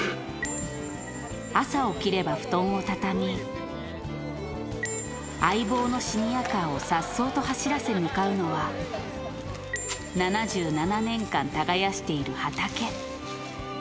朝起きれば布団を畳み、相棒のシニアカーをさっそうと走らせ向かうのは、７７年間耕している畑。